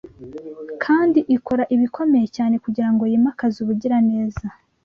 kandi ikora ibikomeye cyane kugira ngo yimakaze ubugiraneza